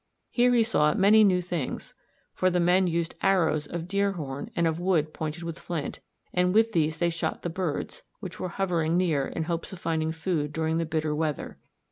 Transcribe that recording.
Here he saw many new things, for the men used arrows of deer horn and of wood pointed with flint, and with these they shot the birds, which were hovering near in hopes of finding food during the bitter weather.